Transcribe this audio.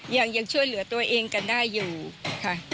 ยังช่วยเหลือตัวเองกันได้อยู่ค่ะ